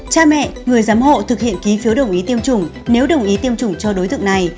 cha mẹ người giám hộ thực hiện ký phiếu đồng ý tiêm chủng nếu đồng ý tiêm chủng cho đối tượng này